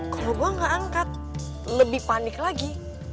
kalau gue gak angkat lebih panik lagi